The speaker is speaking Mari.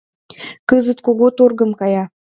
— Кызыт кугу тургым кая.